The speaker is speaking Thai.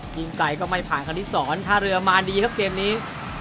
ยิงไกลก็ไม่ผ่านคณิตศรท่าเรือมาดีครับเกมนี้